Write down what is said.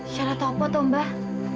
syarat apa itu mbak